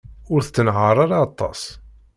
Ur tettenhaṛ ara aṭas.